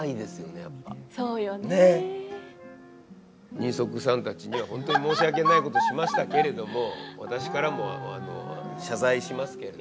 人足さんたちには本当に申し訳ないことしましたけれども私からも謝罪しますけれども。